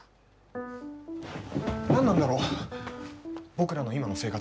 何なんだろう、僕らの今の生活。